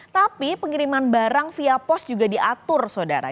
tapi pengiriman barang via pos juga diatur saudara